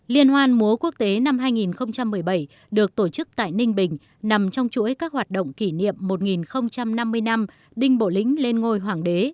liên hoan múa quốc tế năm hai nghìn một mươi bảy được tổ chức tại ninh bình nằm trong chuỗi các hoạt động kỷ niệm một nghìn năm mươi năm đinh bộ lĩnh lên ngôi hoàng đế